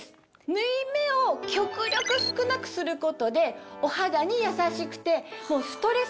縫い目を極力少なくすることでお肌に優しくてストレス